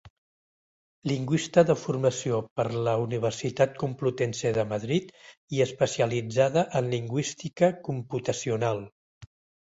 Lingüista de formació per la Universitat Complutense de Madrid i especialitzada en lingüística computacional.